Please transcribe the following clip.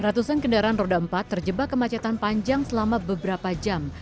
ratusan kendaraan roda empat terjebak kemacetan panjang selama beberapa jam